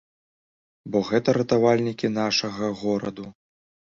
Бо гэта ратавальнікі нашага гораду.